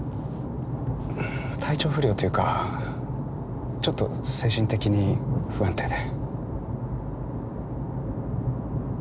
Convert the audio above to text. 体調不良というかちょっと精神的に不安定で。